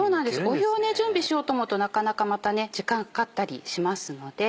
お湯を準備しようと思うとなかなかまた時間かかったりしますので。